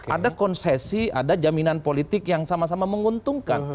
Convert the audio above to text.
ada konsesi ada jaminan politik yang sama sama menguntungkan